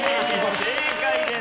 正解です。